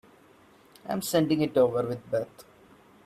I'm sending it over with Beth.